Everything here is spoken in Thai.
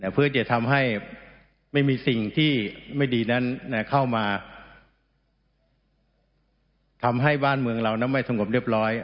เพื่อจะทำให้ไม่มีสิ่งที่ไม่ดีนั้นเข้ามาทำให้บ้านเมืองเรานั้นไม่สงบเรียบร้อย